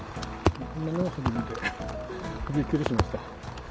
こんなのは初めて。びっくりしました。